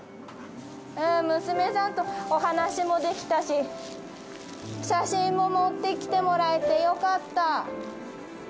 娘さんとお話もできたし、写真も持ってきてもらえてよかった。